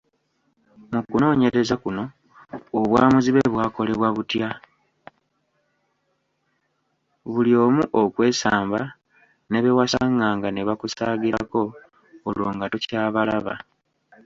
Buli omu akwesamba, ne be wasanganga ne bakusaagirako olwo nga tokyabalaba.